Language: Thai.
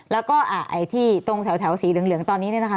แล้วก็ไอ้ที่ตรงแถวสีเหลืองตอนนี้เนี่ยนะคะ